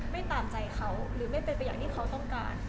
ไม่ตามใจเขาหรือไม่เป็นไปอย่างที่เขาต้องการ